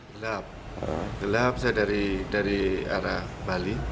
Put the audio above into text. gelap gelap saya dari arah bali